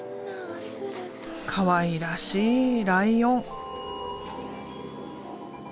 かわいらしいライオン。